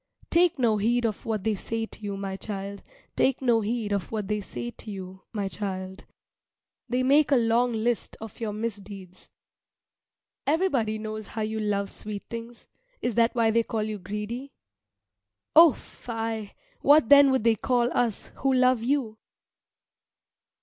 Take no heed of what they say to you, my child. Take no heed of what they say to you, my child. They make a long list of your misdeeds. Everybody knows how you love sweet things is that why they call you greedy? O, fie! What then would they call us who love you?